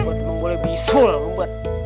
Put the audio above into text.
lebet banget rasa nyumuk arab